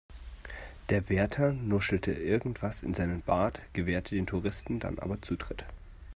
Der Wärter nuschelte irgendwas in seinen Bart, gewährte den Touristen dann aber Zutritt.